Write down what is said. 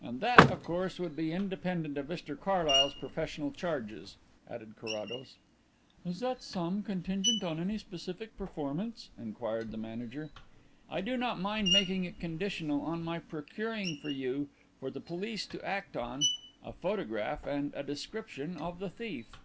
"And that, of course, would be independent of Mr Carlyle's professional charges," added Carrados. "Is that sum contingent on any specific performance?" inquired the manager. "I do not mind making it conditional on my procuring for you, for the police to act on, a photograph and a description of the thief."